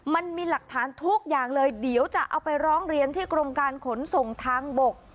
มันมีหลักฐานทุกอย่างเลยเดี๋ยวจะเอาไปร้องเรียนที่กรมการขนส่งทางบก